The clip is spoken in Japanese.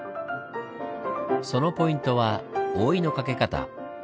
そのポイントは覆いの掛け方。